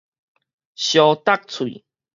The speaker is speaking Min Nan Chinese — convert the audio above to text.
相觸喙